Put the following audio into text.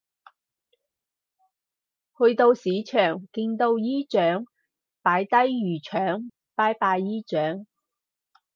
去到市場見到姨丈擺低魚腸拜拜姨丈